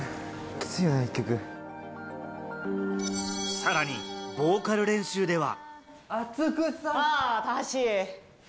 さらに、ボーカル練習では。